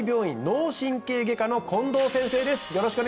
脳神経外科の近藤先生です